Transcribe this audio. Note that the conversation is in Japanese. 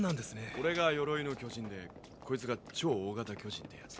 俺が鎧の巨人でこいつが超大型巨人ってやつだ。